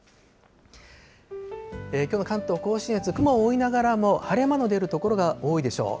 きょうの関東甲信越、雲は多いながらも晴れ間の出る所が多いでしょう。